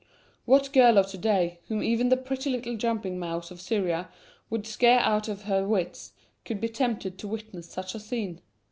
What girl of to day, whom even the pretty little jumping mouse of Syria would scare out of her wits, could be tempted to witness such a scene?